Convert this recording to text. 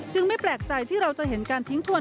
ไม่แปลกใจที่เราจะเห็นการทิ้งทวน